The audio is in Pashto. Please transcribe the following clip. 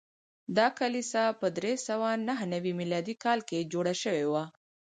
دا کلیسا په درې سوه نهه نوي میلادي کال کې جوړه شوې وه.